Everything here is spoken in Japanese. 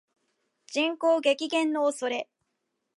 人口激減の恐れ